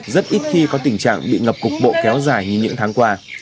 rất ít khi có tình trạng bị ngập cục bộ kéo dài như những tháng qua